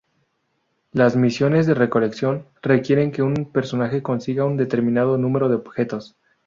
Las "misiones de recolección" requieren que un personaje consiga un determinado número de objetos.